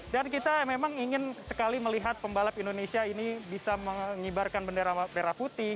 kita memang ingin sekali melihat pembalap indonesia ini bisa mengibarkan bendera merah putih